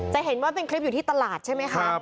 จะเห็นว่าเป็นคลิปอยู่ที่ตลาดใช่ไหมคะ